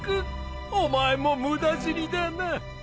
お前も無駄死にだな。